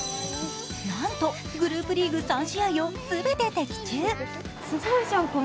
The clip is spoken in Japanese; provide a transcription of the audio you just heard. なんとグループリーグ３試合を全て的中。